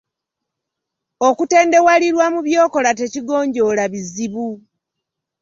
Okutendewalirwa mu by'okola tekigonjoola bizibu.